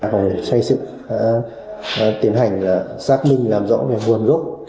còn người khác là tiến hành xác minh làm rõ về nguồn rút